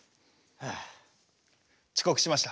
ちこくしました。